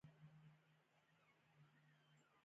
هندویزم اسلام او عیسویت هلته شته.